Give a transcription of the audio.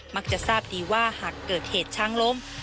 มักจะทราบดีว่าหากเกิดเหตุช้างล้ม